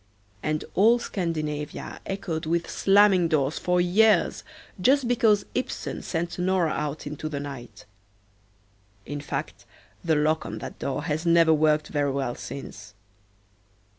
And all Scandinavia echoed with slamming doors for years just because Ibsen sent Nora out into the night. In fact the lock on that door has never worked very well since.